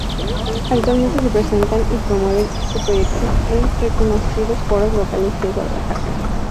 Actualmente se presentan y promueven su proyecto en reconocidos foros locales de Guadalajara.